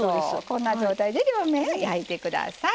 こんな状態で両面焼いて下さい。